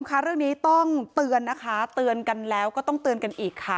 ค่ะเรื่องนี้ต้องเตือนนะคะเตือนกันแล้วก็ต้องเตือนกันอีกค่ะ